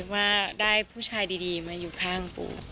ว่าได้ผู้ชายดีมาอยู่ข้างปู